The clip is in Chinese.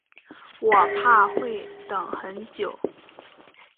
我怕会等很久